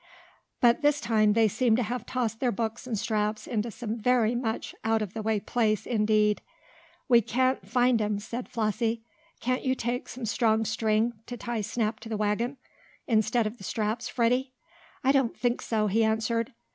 But this time they seemed to have tossed their books and straps into some very much out of the way place, indeed. "We can't find 'em," said Flossie. "Can't you take some strong string, to tie Snap to the wagon, instead of the straps, Freddie?" "I don't think so," he answered.